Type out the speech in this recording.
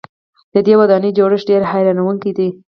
د دې ودانۍ جوړښت ډېر حیرانوونکی دی.